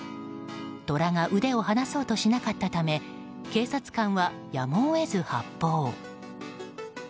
トラが腕を離そうとしなかったため警察官は、やむを得ず発砲。